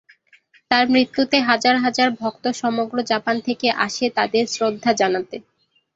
তার মৃত্যুতে হাজার হাজার ভক্ত সমগ্র জাপান থেকে আসে তাদের শ্রদ্ধা জানাতে।